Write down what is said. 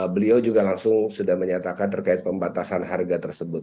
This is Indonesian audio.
beliau juga langsung sudah menyatakan terkait pembatasan harga tersebut